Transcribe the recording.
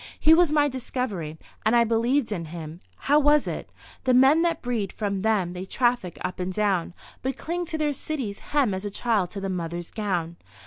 He was my discovery and I believed in him. How was it? "The men that breed from them they traffic up and down, but cling to their cities' hem as a child to the mother's gown."